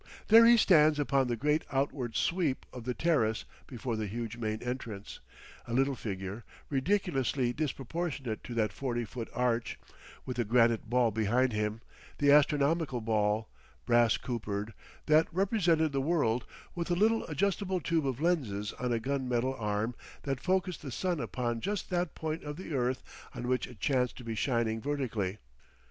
There he stands upon the great outward sweep of the terrace before the huge main entrance, a little figure, ridiculously disproportionate to that forty foot arch, with the granite ball behind him—the astronomical ball, brass coopered, that represented the world, with a little adjustable tube of lenses on a gun metal arm that focussed the sun upon just that point of the earth on which it chanced to be shining vertically.